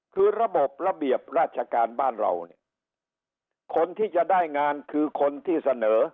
คือระบบระเบียบราชการบ้านเราเนี่ยคนที่จะได้งานคือคนที่เสนอ